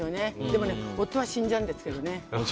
でもね、夫は死んじゃうんですけどね。